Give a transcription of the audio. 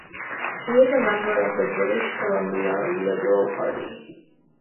She is a member of the British Columbia Liberal Party.